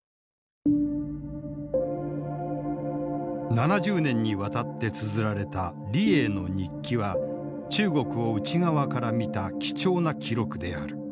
７０年にわたってつづられた李鋭の日記は中国を内側から見た貴重な記録である。